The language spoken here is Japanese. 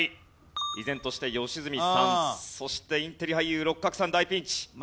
依然として良純さんそしてインテリ俳優六角さん大ピンチ。